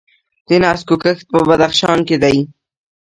د نسکو کښت په بدخشان کې دی.